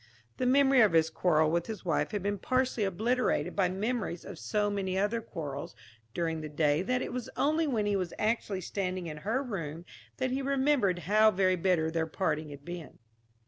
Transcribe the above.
The memory of his quarrel with his wife had been partly obliterated by memories of so many other quarrels during the day that it was only when he was actually standing in her room that he remembered how very bitter their parting had been.